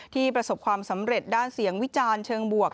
ประสบความสำเร็จด้านเสียงวิจารณ์เชิงบวก